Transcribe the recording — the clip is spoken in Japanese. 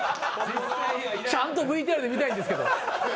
ちゃんとＶＴＲで見たいんですけど。